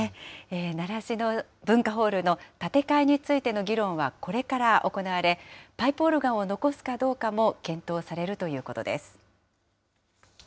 習志野文化ホールの建て替えについての議論はこれから行われ、パイプオルガンを残すかどうかも検討されるということです。